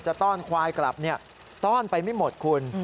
ต้อนควายกลับต้อนไปไม่หมดคุณ